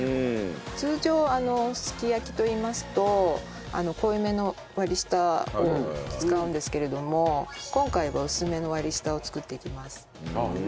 通常すき焼きといいますと濃いめの割り下を使うんですけれども今回は薄めの割り下を作っていきます。